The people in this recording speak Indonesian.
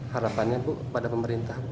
harapannya bu pada pemerintah